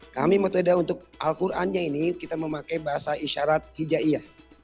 kami metode untuk al qurannya ini kita memakai bahasa isyarat hijaiyah